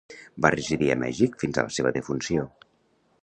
Va residir a Mèxic fins a la seva defunció.